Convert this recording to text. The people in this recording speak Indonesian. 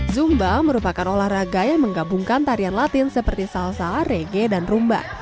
zumba merupakan olahraga yang menggabungkan tarian latin seperti salsa rege dan rumba